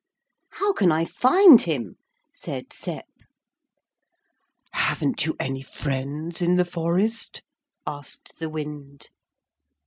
'How can I find him?' said Sep. 'Haven't you any friends in the forest?' asked the wind.